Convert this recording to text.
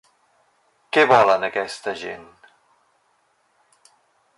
Què volen aquesta gent?